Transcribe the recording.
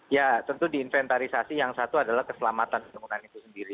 ya tentu diinventarisasi yang satu adalah keselamatan bangunan itu sendiri